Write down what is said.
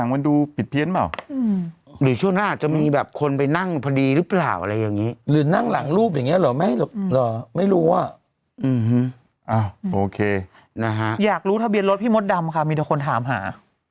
มันดูผิดเพี้ยนเปล่าหรือช่วงหน้าจะมีแบบคนไปนั่งพอดีหรือเปล่าอะไรอย่างนี้หรือนั่งหลังรูปอย่างนี้หรอไม่หรอไม่รู้ว่าอ่าโอเคนะฮะอยากรู้ทะเบียนรถพี่มดดำค่ะมีแต่คนถามหา๑๕๙